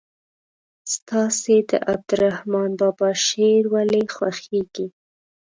ستاسې د عبدالرحمان بابا شعر ولې خوښیږي.